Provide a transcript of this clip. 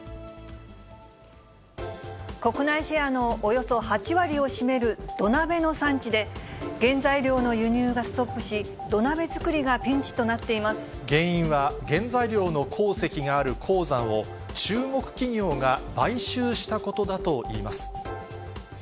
国内シェアのおよそ８割を占める土鍋の産地で、原材料の輸入がストップし、原因は、原材料の鉱石がある鉱山を、中国企業が買収したことだといいます。